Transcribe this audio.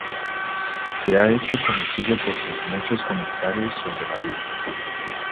Se ha hecho conocido por sus muchos comentarios sobre la Biblia.